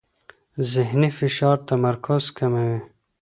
ذهني فشار تمرکز کموي.